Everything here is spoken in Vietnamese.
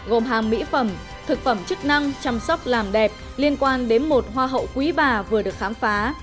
gồm hàng mỹ phẩm thực phẩm chức năng chăm sóc làm đẹp liên quan đến một hoa hậu quý bà vừa được khám phá